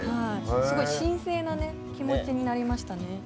すごい神聖な気持ちになりましたね。